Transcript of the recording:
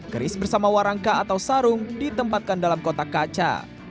keris bersama warangka atau sarung ditempatkan dalam kotak kaca